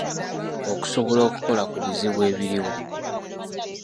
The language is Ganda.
Okusobola okukola ku bizibu ebiriwo.